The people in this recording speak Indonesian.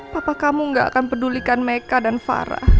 papa kamu gak akan pedulikan mereka dan farah